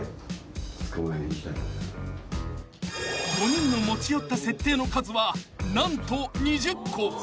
［５人の持ち寄った設定の数は何と２０個］